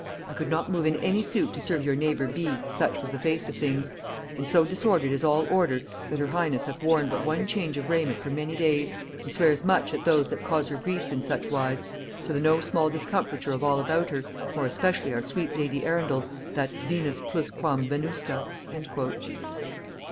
I could not move in any suit to serve your neighbour B. such was the face of things: and so disordered is all order that her highness hath worn but one change of raiment for many days, and swears much at those that cause her griefs in such wise, to the no small discomfiture of all about her, more especially our sweet lady Arundel, that Venus plus quam venusta." [Note 141: Changed in countenance.